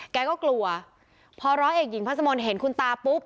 แกก็กลัวพอร้อยเอกหญิงพัสมนต์เห็นคุณตาปุ๊บ